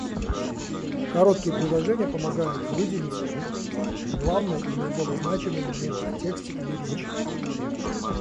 Короткие предложения помогают выделить главные и наиболее значимые моменты в тексте или речи.